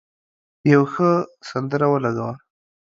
یو ښه سندره ولګوه.